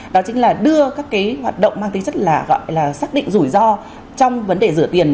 đó chính là đưa các cái hoạt động mang tính chất là gọi là xác định rủi ro trong vấn đề rửa tiền